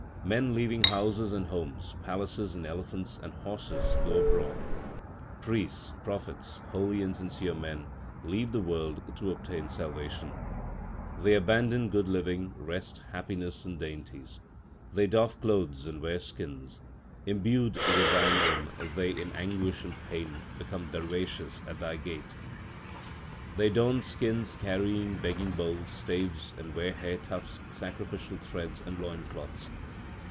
Men leaving houses and homes, palaces, elephants and horses go abroad. Priests, prophets, holy and sincere men leave the world to obtain salvation. They abandon good living, rest, happiness, and dainties ; they doff clothes, and wear skins. Imbued with Thy name they in anguish and pain become darweshes at Thy gate. They don skins, carry begging bowls, staves, and wear hair tufts, sacrificial threads, and loin cloths.